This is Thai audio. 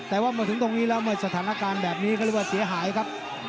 แต่ว่ามาถึงตรงนี้แล้วเมื่อสถานการณ์แบบนี้เขาเรียกว่าเสียหายครับ